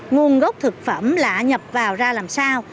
nguồn gốc thực phẩm là nhập vào ra làm sao